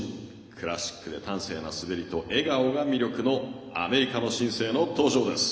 クラシックで端正な滑りと笑顔が魅力のアメリカの新星の登場です。